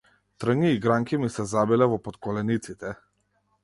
Трња и гранки ми се забиле во потколениците.